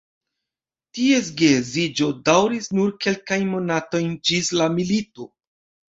Ties geedziĝo daŭris nur kelkajn monatojn ĝis la milito.